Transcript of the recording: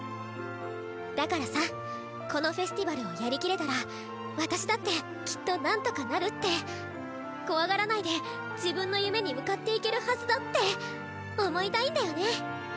だからさこのフェスティバルをやりきれたら私だってきっと何とかなるって怖がらないで自分の夢に向かっていけるはずだって思いたいんだよね。